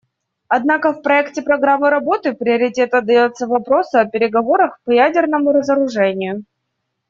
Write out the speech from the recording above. Однако в проекте программы работы приоритет отдается вопросу о переговорах по ядерному разоружению.